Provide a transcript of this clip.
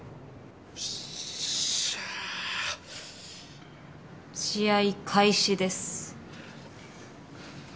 よっしゃー！試合開始です。